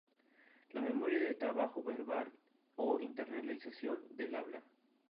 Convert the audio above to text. La memoria de trabajo verbal o internalización del habla.